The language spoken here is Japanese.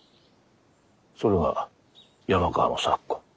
それが山川の策か。